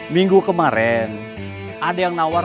minggu kemarin ada yang nawar